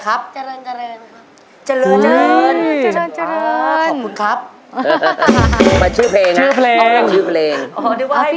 ขอบคุณกันนะท่านประกาศ